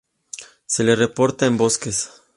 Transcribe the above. Se le reporta en bosques.